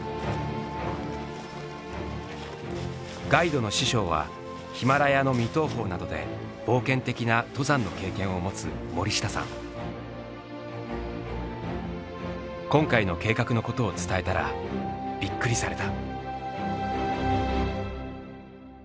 ガイドの師匠はヒマラヤの未踏峰などで冒険的な登山の経験を持つ今回の計画のことを伝えたらびっくりされた。